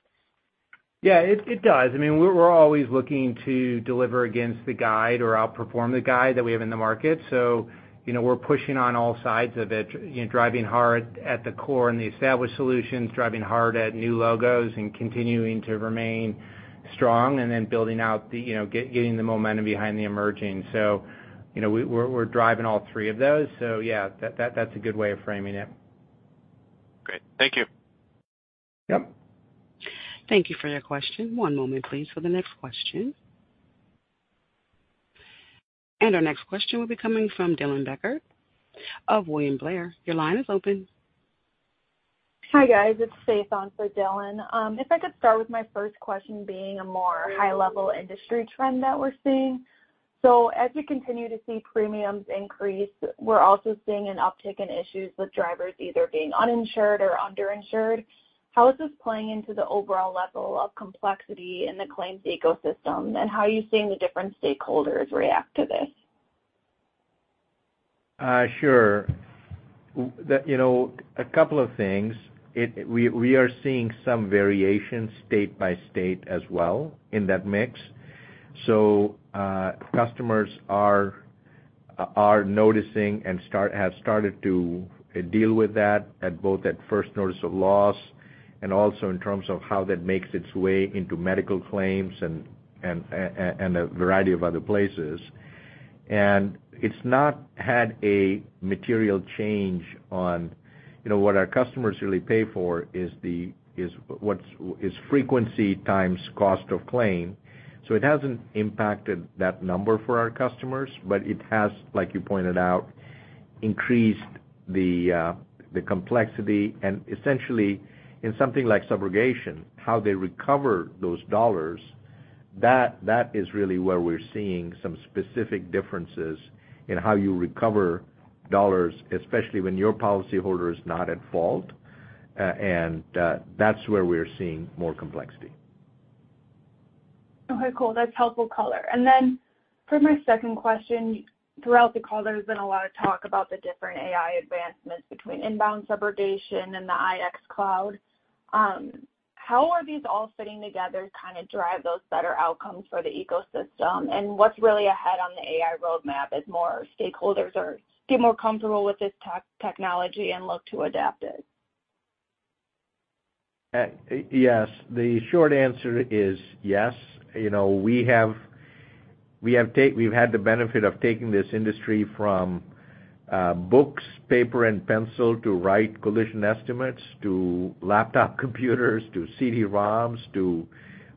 Yeah, it does. I mean, we're always looking to deliver against the guide or outperform the guide that we have in the market. So, you know, we're pushing on all sides of it, you know, driving hard at the core and the established solutions, driving hard at new logos and continuing to remain strong, and then building out the, you know, getting the momentum behind the emerging. So, you know, we're driving all three of those. So yeah, that's a good way of framing it. Great. Thank you. Yep. Thank you for your question. One moment, please, for the next question. Our next question will be coming from Dylan Becker of William Blair. Your line is open. Hi, guys. It's Faith on for Dylan. If I could start with my first question being a more high-level industry trend that we're seeing. So as you continue to see premiums increase, we're also seeing an uptick in issues with drivers either being uninsured or underinsured. How is this playing into the overall level of complexity in the claims ecosystem, and how are you seeing the different stakeholders react to this? Sure. With the, you know, a couple of things. We are seeing some variation state by state as well in that mix. So, customers are noticing and have started to deal with that, at both first notice of loss and also in terms of how that makes its way into medical claims and a variety of other places. And it's not had a material change on. You know, what our customers really pay for is what's frequency times cost of claim. So it hasn't impacted that number for our customers, but it has, like you pointed out, increased the complexity and essentially in something like subrogation, how they recover those dollars. That is really where we're seeing some specific differences in how you recover dollars, especially when your policyholder is not at fault. And that's where we're seeing more complexity. Okay, cool. That's helpful color. And then for my second question, throughout the call, there's been a lot of talk about the different AI advancements between inbound subrogation and the IX Cloud. How are these all fitting together to kind of drive those better outcomes for the ecosystem? And what's really ahead on the AI roadmap as more stakeholders get more comfortable with this technology and look to adapt it? Yes, the short answer is yes. You know, we have we've had the benefit of taking this industry from books, paper, and pencil to write collision estimates, to laptop computers, to CD-ROMs, to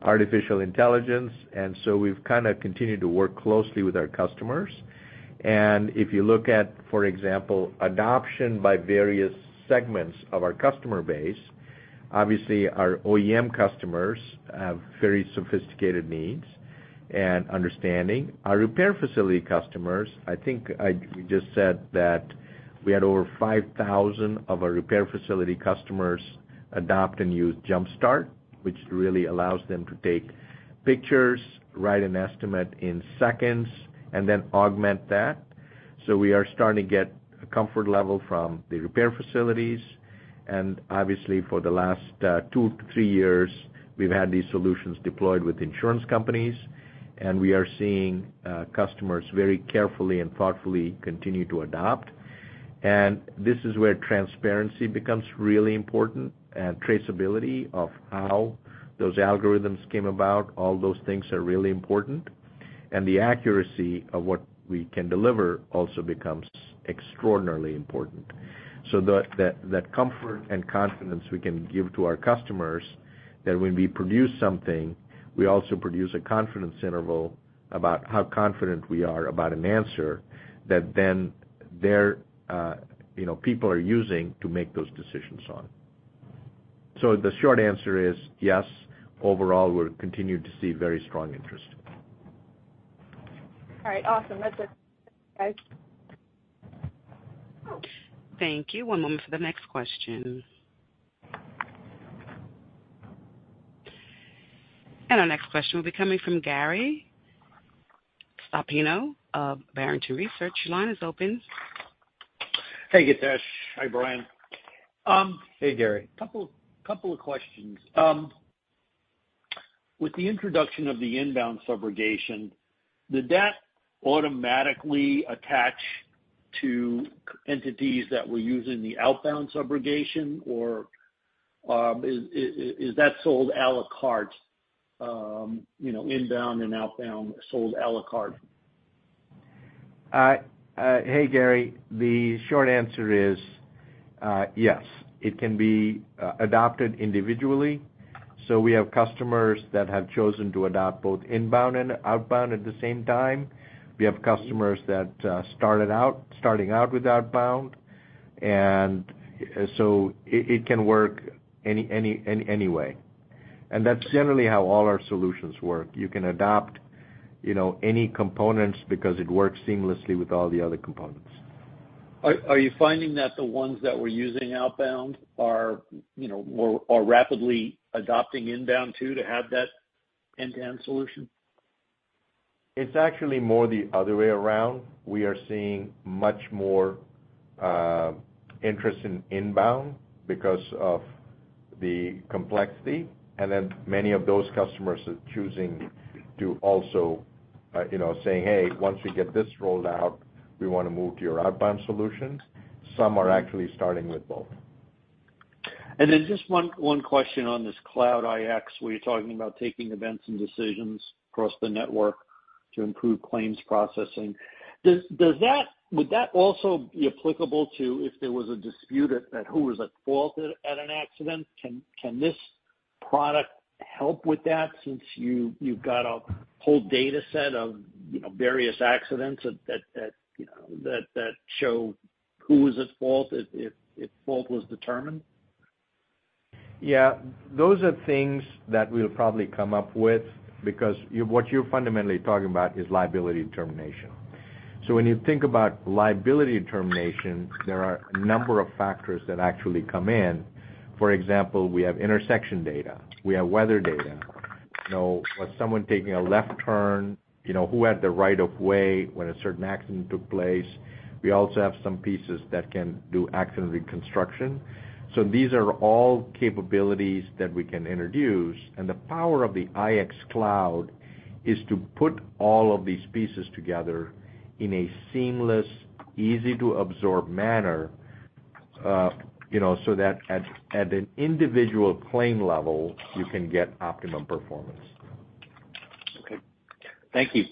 artificial intelligence, and so we've kind of continued to work closely with our customers. And if you look at, for example, adoption by various segments of our customer base, obviously, our OEM customers have very sophisticated needs and understanding. Our repair facility customers, I think we just said that we had over 5,000 of our repair facility customers adopt and use Jumpstart, which really allows them to take pictures, write an estimate in seconds, and then augment that. So we are starting to get a comfort level from the repair facilities. Obviously, for the last 2-3 years, we've had these solutions deployed with insurance companies, and we are seeing customers very carefully and thoughtfully continue to adopt. This is where transparency becomes really important, and traceability of how those algorithms came about. All those things are really important, and the accuracy of what we can deliver also becomes extraordinarily important. So, that comfort and confidence we can give to our customers, that when we produce something, we also produce a confidence interval about how confident we are about an answer, that then their, you know, people are using to make those decisions on. The short answer is yes. Overall, we're continuing to see very strong interest. All right. Awesome. That's it, guys. Thank you. One moment for the next question. Our next question will be coming from Gary Prestopino of Barrington Research. Your line is open. Hey, Githesh. Hi, Brian. Hey, Gary. Couple of questions. With the introduction of the inbound subrogation, did that automatically attach to entities that were using the outbound subrogation, or, is that sold à la carte, you know, inbound and outbound sold à la carte? Hey, Gary. The short answer is, yes, it can be adopted individually. So we have customers that have chosen to adopt both inbound and outbound at the same time. We have customers that started out with outbound, and so it can work any way. And that's generally how all our solutions work. You can adopt, you know, any components because it works seamlessly with all the other components. Are you finding that the ones that were using outbound are, you know, more rapidly adopting inbound, too, to have that end-to-end solution? It's actually more the other way around. We are seeing much more interest in inbound because of the complexity, and then many of those customers are choosing to also, you know, saying, "Hey, once we get this rolled out, we want to move to your outbound solutions." Some are actually starting with both. Then just one question on this Cloud IX, where you're talking about taking events and decisions across the network to improve claims processing. Does that—would that also be applicable to if there was a dispute at who was at fault at an accident? Can this product help with that, since you, you've got a whole data set of, you know, various accidents that you know that show who was at fault, if fault was determined? Yeah, those are things that we'll probably come up with because you-- what you're fundamentally talking about is liability determination. So when you think about liability determination, there are a number of factors that actually come in. For example, we have intersection data, we have weather data. You know, was someone taking a left turn? You know, who had the right of way when a certain accident took place? We also have some pieces that can do accident reconstruction. So these are all capabilities that we can introduce. And the power of the IX Cloud is to put all of these pieces together in a seamless, easy-to-absorb manner, you know, so that at an individual claim level, you can get optimum performance. Okay. Thank you.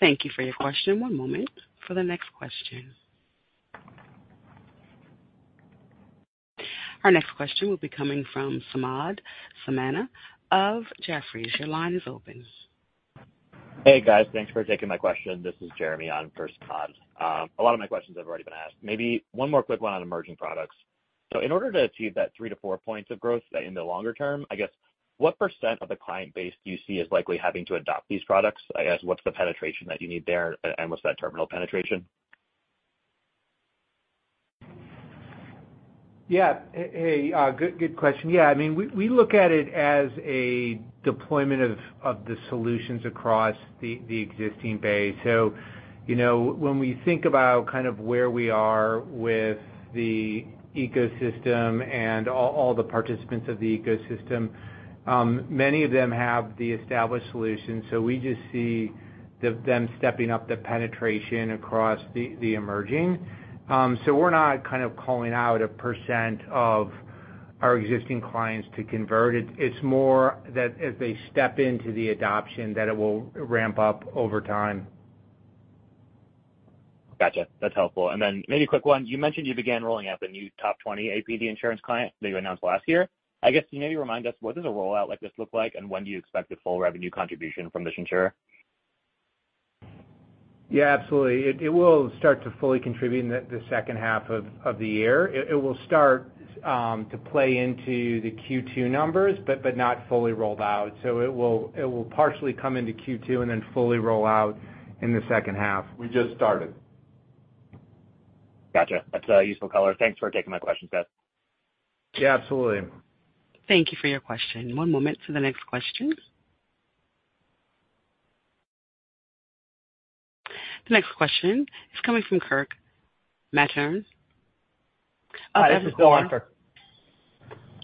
Thank you for your question. One moment for the next question. Our next question will be coming from Samad Samana of Jefferies. Your line is open. Hey, guys. Thanks for taking my question. This is Jeremy on for Samad. A lot of my questions have already been asked. Maybe one more quick one on emerging products. So in order to achieve that 3-4 points of growth in the longer term, I guess, what % of the client base do you see as likely having to adopt these products? I guess, what's the penetration that you need there, and what's that terminal penetration? Yeah. Hey, good question. Yeah, I mean, we look at it as a deployment of the solutions across the existing base. So, you know, when we think about kind of where we are with the ecosystem and all the participants of the ecosystem, many of them have the established solutions, so we just see them stepping up the penetration across the emerging. So, we're not kind of calling out a percent of our existing clients to convert. It's more that as they step into the adoption, that it will ramp up over time. Gotcha. That's helpful. And then maybe a quick one. You mentioned you began rolling out the new top 20 APD insurance client that you announced last year. I guess, can you maybe remind us, what does a rollout like this look like, and when do you expect the full revenue contribution from this insurer? ... Yeah, absolutely. It will start to fully contribute in the second half of the year. It will start to play into the Q2 numbers, but not fully rolled out. So it will partially come into Q2 and then fully roll out in the second half. We just started. Gotcha. That's a useful color. Thanks for taking my question, Githesh. Yeah, absolutely. Thank you for your question. One moment for the next question. The next question is coming from Kirk Materne of- Hi, this is Dylan for-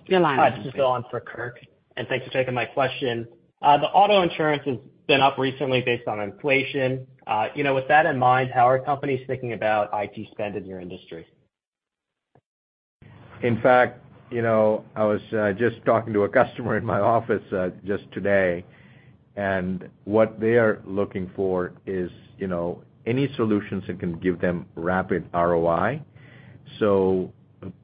Your line is open. Hi, this is Dylan for Kirk, and thanks for taking my question. The auto insurance has been up recently based on inflation. You know, with that in mind, how are companies thinking about IT spend in your industry? In fact, you know, I was just talking to a customer in my office just today, and what they are looking for is, you know, any solutions that can give them rapid ROI. So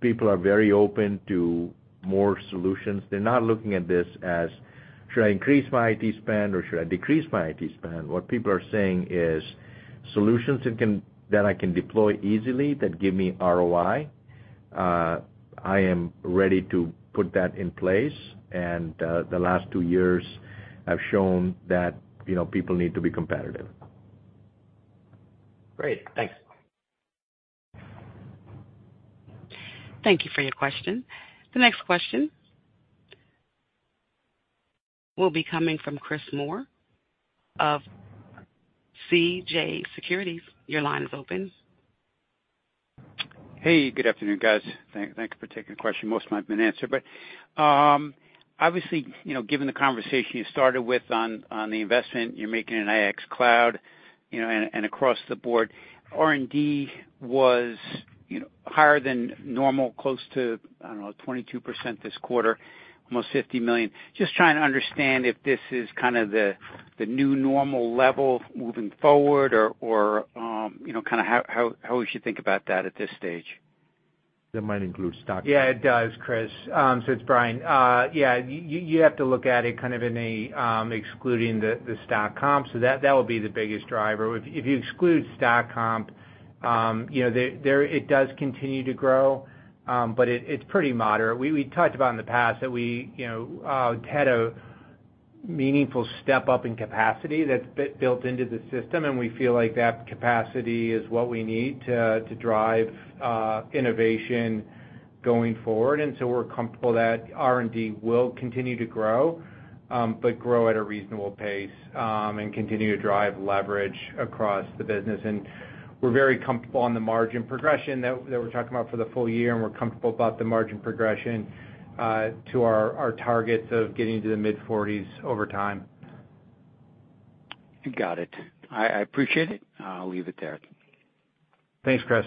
people are very open to more solutions. They're not looking at this as, "Should I increase my IT spend or should I decrease my IT spend?" What people are saying is, "Solutions that I can deploy easily, that give me ROI, I am ready to put that in place." And, the last two years have shown that, you know, people need to be competitive. Great. Thanks. Thank you for your question. The next question will be coming from Chris Moore of CJS Securities. Your line is open. Hey, good afternoon, guys. Thank you for taking the question. Most of mine have been answered, but obviously, you know, given the conversation you started with on the investment you're making in IX Cloud, you know, and across the board, R&D was, you know, higher than normal, close to, I don't know, 22% this quarter, almost $50 million. Just trying to understand if this is kind of the new normal level moving forward or, you know, kind of how we should think about that at this stage. That might include stock. Yeah, it does, Chris. So it's Brian. Yeah, you have to look at it kind of excluding the stock comp, so that will be the biggest driver. If you exclude stock comp, you know, it does continue to grow, but it's pretty moderate. We talked about in the past that we, you know, had a meaningful step up in capacity that's built into the system, and we feel like that capacity is what we need to drive innovation going forward. And so we're comfortable that R&D will continue to grow, but grow at a reasonable pace, and continue to drive leverage across the business. We're very comfortable on the margin progression that we're talking about for the full year, and we're comfortable about the margin progression to our targets of getting to the mid-forties over time. Got it. I, I appreciate it. I'll leave it there. Thanks, Chris.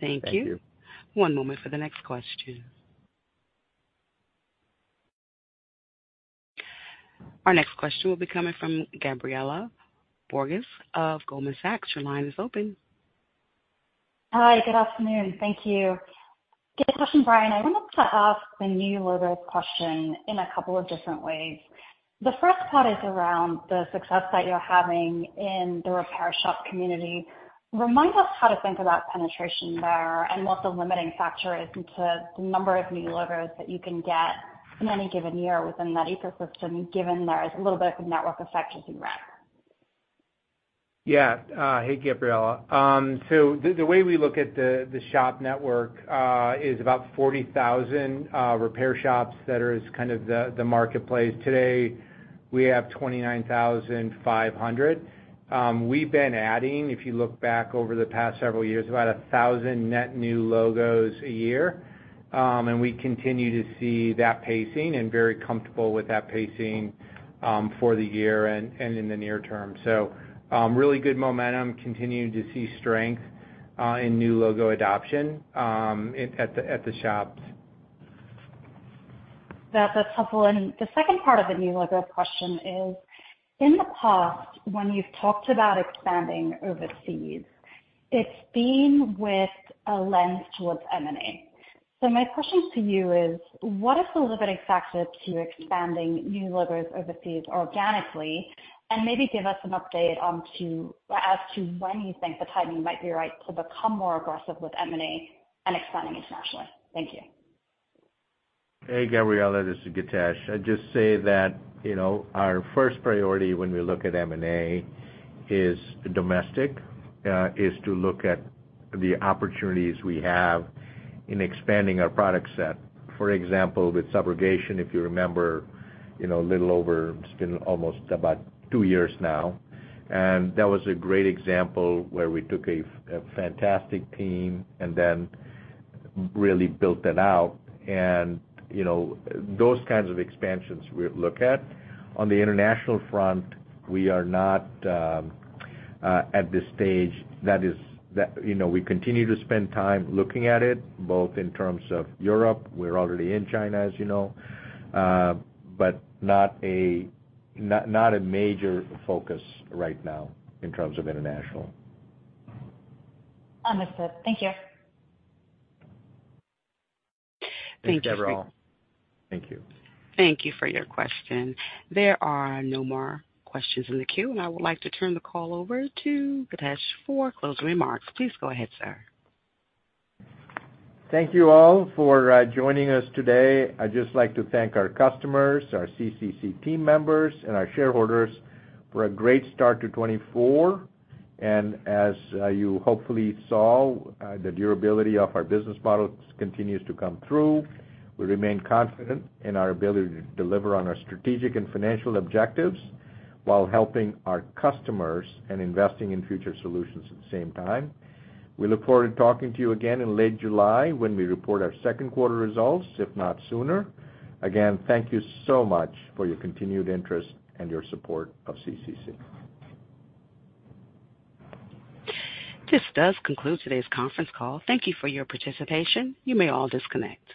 Thank you. Thank you. One moment for the next question. Our next question will be coming from Gabriela Borges of Goldman Sachs. Your line is open. Hi, good afternoon. Thank you. Good question, Brian. I wanted to ask the new logo question in a couple of different ways. The first part is around the success that you're having in the repair shop community. Remind us how to think about penetration there, and what the limiting factor is into the number of new logos that you can get in any given year within that ecosystem, given there is a little bit of network effect as you ramp. Yeah. Hey, Gabriela. So the way we look at the shop network is about 40,000 repair shops that is kind of the marketplace. Today, we have 29,500. We've been adding, if you look back over the past several years, about 1,000 net new logos a year. And we continue to see that pacing and very comfortable with that pacing for the year and in the near term. So, really good momentum. Continuing to see strength in new logo adoption at the shops. That's helpful. And the second part of the new logo question is, in the past, when you've talked about expanding overseas, it's been with a lens towards M&A. So my question to you is, what are the limiting factors to expanding new logos overseas organically? And maybe give us an update as to when you think the timing might be right to become more aggressive with M&A and expanding internationally. Thank you. Hey, Gabriela, this is Githesh. I'd just say that, you know, our first priority when we look at M&A is domestic, is to look at the opportunities we have in expanding our product set. For example, with subrogation, if you remember, you know, a little over, it's been almost about two years now, and that was a great example where we took a fantastic team and then really built that out. And, you know, those kinds of expansions we look at. On the international front, we are not at this stage. That is, that, you know, we continue to spend time looking at it, both in terms of Europe, we're already in China, as you know, but not a major focus right now in terms of international. Understood. Thank you. Thank you. Thanks, Gabriela. Thank you. Thank you for your question. There are no more questions in the queue, and I would like to turn the call over to Githesh for closing remarks. Please go ahead, sir. Thank you all for joining us today. I'd just like to thank our customers, our CCC team members, and our shareholders for a great start to 2024. As you hopefully saw, the durability of our business model continues to come through. We remain confident in our ability to deliver on our strategic and financial objectives, while helping our customers and investing in future solutions at the same time. We look forward to talking to you again in late July when we report our second quarter results, if not sooner. Again, thank you so much for your continued interest and your support of CCC. This does conclude today's conference call. Thank you for your participation. You may all disconnect.